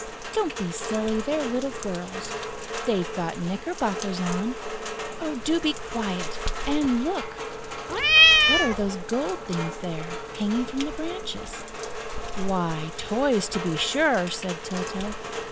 "Don't be silly!... They're little girls...." "They've got knickerbockers on...." "Do be quiet!... And look!..." "What are those gold things there, hanging from the branches?" "Why, toys, to be sure!" said Tyltyl.